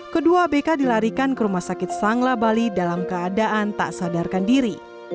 kedua abk dilarikan ke rumah sakit sangla bali dalam keadaan tak sadarkan diri